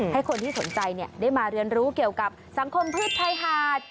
ให้คนที่สนใจได้มาเรียนรู้เกี่ยวกับสังคมพืชชายหาด